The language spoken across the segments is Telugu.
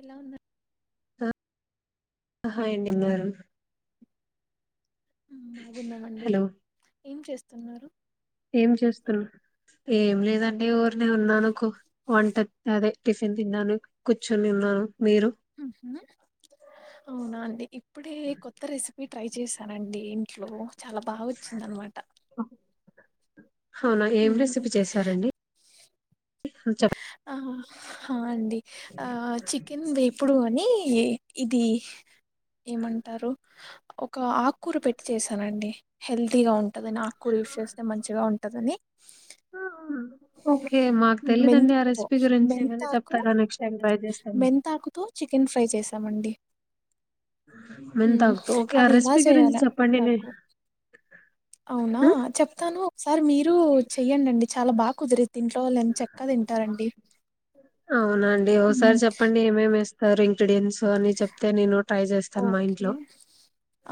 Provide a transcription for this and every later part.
ఎలా ఉన్నా ఆహా ఏం తిన్నారు బాగున్నామండి హలో ఏం చేస్తున్నారు ఏం చేస్తున్నా ఏం లేదండి ఊరినే ఉన్నాను కు వంట అదే టిఫిన్ తిన్నాను కూర్చొని ఉన్నాను మీరు అవునా అండి ఇప్పుడే కొత్త రెసి ఇ ట్రై చేశానండి ఇంట్లో చాలా బాగా వచ్చింది అనమాట అవునా ఏం రెసిపీ చేశారండి చెప్ ఆహా ఆ అండి ఆ చికెన్ వేపుడూ అని ఇ ఇది ఏమంటారు ఒక ఆకుకూరు పెట్టి చేసానండి హెల్తీగా ఉంటందిని ఆకుకూరు యూజ్ చేస్తే మంచిగా ఉంట దాని ఓకే మాకు తెలీదండి ఆ మెంతాకు రెసిపీ గురించి ఏమైనా మెంతాకు చెప్తారా నెక్స్ట్ టైం ట్రై చేస్తాను మెంతాకుతో చికెన్ ఫ్ర ట్రై చేసామండి ఉ మెంతాకుతో ఓకే ఆ అది ఎలా రెసిపీ గురించి చెప్పండి నే చేయాలసకు అవునా ఆ? చెప్తాను ఒకసారి మీరు చెయ్యడిండి చాలా బాగా కుదిరి ఇంట్లో వాళ్ళు ఎంత చెక్క తింటారండి. సరె ఇంగ్రీడియంట్స్ అని చెప్తే నేను ట్రై చేస్తాను, మా ఓకే ఇంట్లో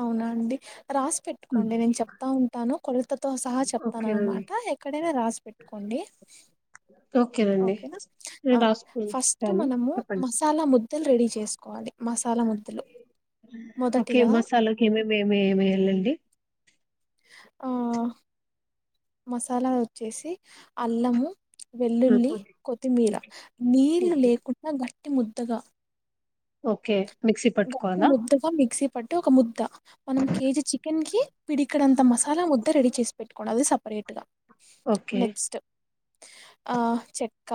అవునా అండి రాసి ఉమ్, పెట్టుకోండి నేను చెప్తా ఉంటాను కొలతతో సహా చెప్తాను ఓకేనండి అనమాట ఎక్కడైనా రాసి పెట్టుకోండి. అండీ ఓకేనండి ఓకేనా నేను ఫస్ట్ రాసుకుంటాను మనము చెప్పండి మసాలా ముద్దలు రెడీ చేసుకోవాలి, మసాలా ముద్దలు ఒకే మొదటిగా మసాలాకి ఏమేమి ఏమే ఎంవేయాలండి, ఆ మసాలా వచ్చేసి అల్లము వెల్లుల్లి ఉహు. కొత్తిమీర నీళ్లు లేకుండా గట్టి ముద్దగా ఓకే మిక్సీ పట్టుకోవాలా, పట్టు ఒక ముద్ద మనం కేజీ చికెన్ కి పిడికడంత మసాలా ముద్ద, రెడీ చేసి పెట్టుకోం అది సపరేట్ గా ఓకే నెక్స్ట్ఆ చె క్క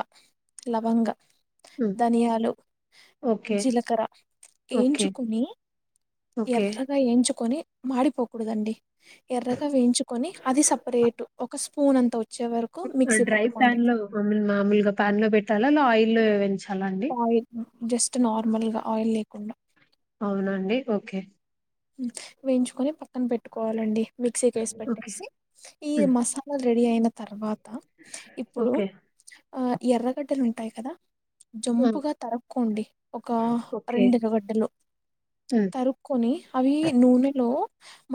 లవంగ, ఉమ్. ధనియాలు, ఓకే జీలకర్ర ఓకే ఏంచుకుని ఓకే ఎర్రగా వెంచుకొని మాడిపోకూడదండి, ఎర్రగా వేయించుకొని అది సపరేట్ ఒక స్పూన్ అంతా వచ్చ డ్రై ప్యాన్ లో మాలు మామూలుగా ప్యాన్ లో పెట్టాలా అలా ఆయిల్లో పెంచా ఆయిల్ జస్ట్ నార్మల్గా ఆయిల్ లేకుండా అవునండి ఓకే వేయించుకొని పక్కన పెట్టుకోవాలండి మిక్సీకి వేసి ఓకే పెట్టేసి ఈ ఉమ్. మసాలా రెడీ అయిన తర్వాత, ఇప్పుడు ఓకే ఆ ఎర్రగడ్డలు ఉంటాయి కదా ఆ, జంపుగా తరుక్కకొండి ఒక ఓకే రెండుఎర్రగడ్డలు, ఉమ్. తరుక్కకొని అవి నూనెలో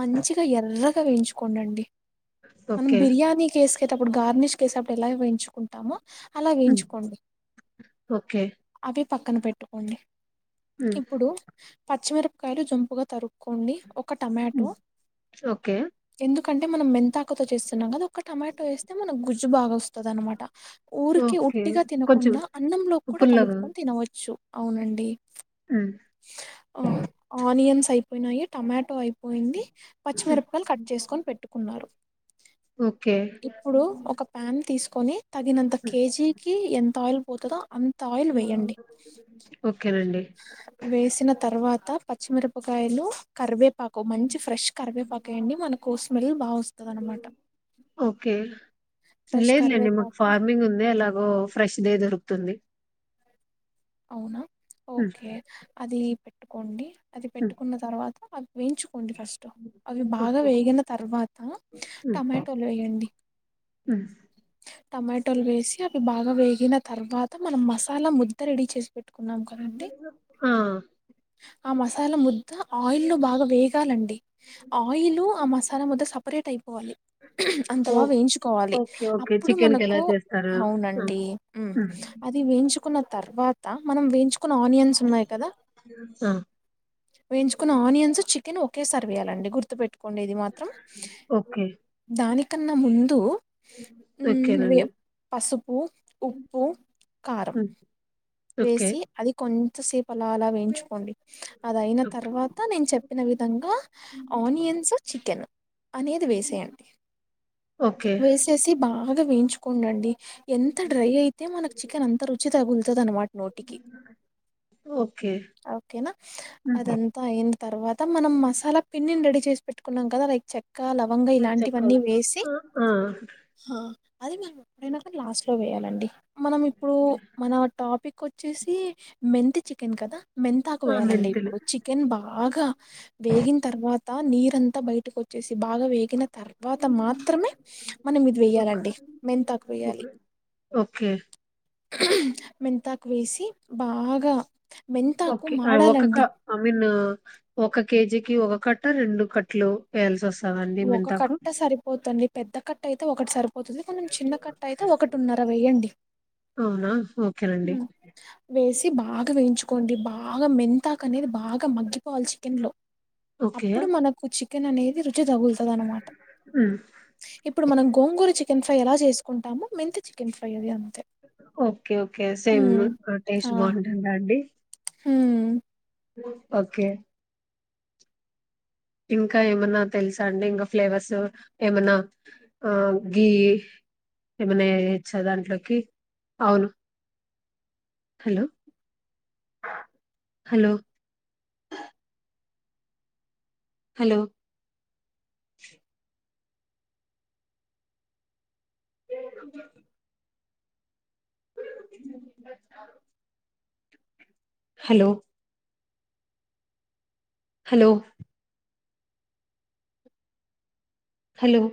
మంచిగా ఎర్రగా వేయించుకోండి. మనం ఓకే బిర్యానీ వేసుకేటప్పుడు గార్నిష్ కేేసేటప్పుడు ఎలా వేయించుకుంటాము. అలా ఉమ్. వేయించుకోండి ఓకే అవి పక్కన పెట్టుకోండి. ఉమ్. ఇప్పుడు పచ్చిమిరపకాయలు జొంపుగా తరుక్కోండి, ఒక టమాటో ఉమ్. ఓకే ఎందుకంటే మనం మెంతాకతో చేస్తున్నాం కదా ఒక టమాటో వస్తే మనకు గుజ్జు బా వస్తుంది. అనమాట ఊరికి ఓకే ఉట్టిగా కొంచెం తినకుండా అన్నంలో కూడా పుల్లగా కలుపుకొని తినవచ్చు, అవునండి ఉమ్. ఆనియన్స్ అయిపోయినాయి టమాటో టో అయిపోయింది ఉమ్. పచ్చిమిరపకాయలు కట్ చేసుకొని పెట్టుకున్నారు. ఓకే ఇప్పుడు ఒక ప్యాన్ తీసుకొని తగినంత ఉమ్. కేజీకిి ఎంత ఆయిల్ పోతుందో, అంత ఆయిల్ వేయండి ఓకే అం వేసిన తర్వాత పచ్చిమిరపకాయలు, కరివే ప పాకు మంచి ఫ్రెష్ కరివే పాకు వేయండి మనకు స్మెల్ బాగా వస్తుంది. అనమాట ఓకే ఫ్రెష్ లేదులేండి మాకు కరివేపాకు ఫార్మింగ్ ఉంది అలా ఓ ఫ్రెష్దే దొరుకుతుంది. అవునా ఉమ్, ఓకే అది పెట్టుకోండి అది ఉమ్, పెట్టుకున్న తర్వాత, అది వెంచు ఉండి ఫస్ట్ అవి బాగా ఓకే. వేగిన తర్వాత ఉమ్, టమాటోలు వేయండి. ఉమ్. టమాటోలు వేసి అవి బాగా వేగిన తర్వాత మనం మసాలా ముద్ద రెడీ చేసి పెట్ ఆ ఆ మసాలా ముద్ద ఆయిల్ బాగా వేగాలండి ఆయిల్ ఆ మసాల తన ముద్ద సపరేట్ అయిపోవాలి, ఓ అంతలా వేయించుకోవాలి ఓకే ఓకే అప్పుడు చికెన్ కి ఎలా మనకు చేస్తారు ఆ అవునండి ఉమ్, అది హు వేయించు న్న తర్వాత మనం వేయించుకున్న ఆనియన్స్ ఉన్నాయి కదా ఆ వేయించుకున్న ఆనియన్స్ చికెన్ ఒకే సర్వేయాలండి గుర్తుపెట్టు, కొండేది మాత్రం ఓకే దానికన్నా ముందు ఉ వి ఓకేనండి పసుపు ఉప్పు కారం ఉమ్, ఓకే వేసి అది కొంతసేపు అలా అలా వేయించుకోండి అద అయిన తర్వాత నేను చెప్ప ప్పిన విధంగా ఆనియన్స్ చికెన్ అనేది వేసేయండి ఓకే వేసేసి బాగా వేయించుకోండండి ఎంత డ్రై అయితే మనకి చికెన్ అంత రుచి తగులుతుంది అనమాట నోటికి ఓకే ఓకేనా ఉమ్, అదంతా అయి తర్వాత మనం మసాలా పిన్నిని రెడీ చేసి పెట్టుకున్నాం కదా లైక్ చెక్క క్క లవంగ ఇలాంటివన్నీ చెక్కలు వేసి ఆ ఆ అది మనం ఎప్పుడైనా లాస్ట్ లో వేయాలండి మనం ఇప్పుడు మన టాపిక్ వచ్చేసి మెంథి చికెన్ కదా మెంతాకు ఆ, వేయాలండి మెంతులు ఇప్పుడు చికెన్ బాగా బాగా వేగిన తర్వాత నీరంతా బయటకు వచ్చేసి బాగా వే కిన తర్వాత మాత్రమే మనం ఇది ఓకే వెేయాలండి మెన్ంతాకు వేయాలి ఓకే ఓకే మెంతాకు వేసి బాగా మెంతాకు ఒకే ఒకక్క మాడాలండి ఐ మీన్ ఒక కేజీకి ఒక కట్ట రెండు కట్టలు వేయాల్సి వస్తంది ఒక కట్ట సరిపోతుండి పెద్ద కట్ట అయితే ఒకటి సరిపోతుంది కొంచం చిన్న కట్ట అయితే ఒకటి ఉన్నరవై వేయండి అవునా ఓకేనండి వేసి బాగా వేయించుకోండి బాగా మెంతాక అనేది బాగా మగ్గిపోవాలి చికెన్ లో ఓకే అప్పుడు మనకు చికెన్ అనేది రుచి తగులుతుంది అనమాట ఉమ్, ఇప్పుడు మనం గోంగూరు చికెన్ ఫ్రై ఎలా చేసుకుంటాము మెంథి చికెన్ ఫ్రై అది అంతే okay okay same hmm taste బాగుంటుంద అండి హ్మ్మ్ ఓకే ఇంకా ఏమనా తెలుసా అండి ఇంకా ఫ్లేవర్స్ ఏమనా ఆ గి ఏమైన్నా వేయొచ దాంట్లోకి అవున hello hello hello hello hello hello